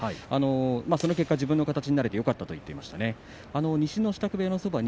その結果、自分の形になれてよかったと話しています。